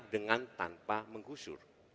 dengan tanpa menggusur